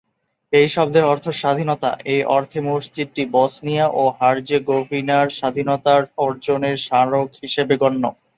এই শব্দের অর্থ ""স্বাধীনতা"", এ অর্থে মসজিদটি বসনিয়া ও হার্জেগোভিনার স্বাধীনতার অর্জনের স্মারক হিসেবে গণ্য।